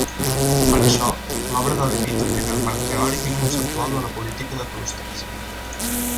Per això, l'obra delimita primer el marc teòric i conceptual de la política de clústers.